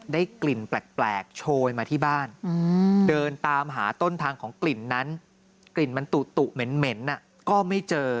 ได้กลิ่นแปลกโชยมาที่บ้านเดินตามหาต้นทางของกลิ่นนั้นกลิ่นมันตุเหม็นก็ไม่เจอ